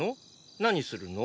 何するの？